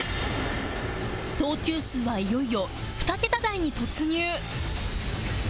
投球数はいよいよ２桁台に突入